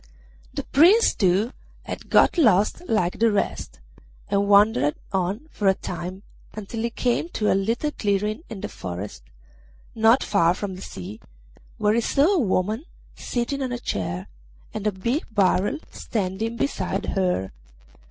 The Prince, too, had got lost like the rest, and wandered on for a time until he came to a little clearing in the forest not far from the sea, where he saw a woman sitting on a chair and a big barrel standing beside her.